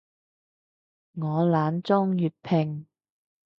我懶裝粵拼